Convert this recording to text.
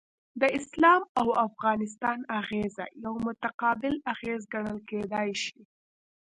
د اسلام او افغانستان اغیزه یو متقابل اغیز ګڼل کیدای شي.